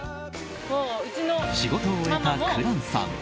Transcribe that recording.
仕事を終えた紅蘭さん。